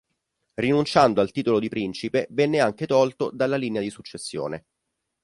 Rinunciando al titolo di principe venne anche tolto dalla linea di successione.